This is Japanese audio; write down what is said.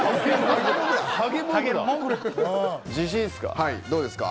自信っすか。